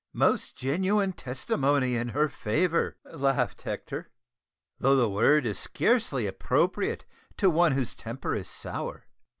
"Most genuine testimony in her favour," laughed Hector, "though the word is scarcely appropriate to one whose temper is sour."